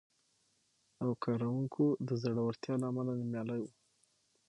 او کارونکو د زړورتیا له امله نومیالی و،